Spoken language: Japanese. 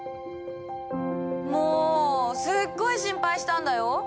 もうすっごい心配したんだよ！